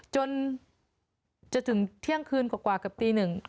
จนถึงเที่ยงคืนกว่ากับตีหนึ่ง